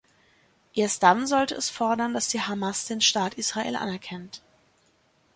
Erst dann sollte es fordern, dass die Hamas den Staat Israel anerkennt.